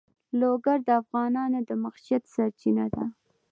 لوگر د افغانانو د معیشت سرچینه ده.